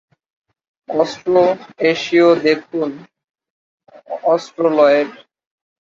অস্ট্রো-এশীয় দেখুন অস্ট্রোলয়েড।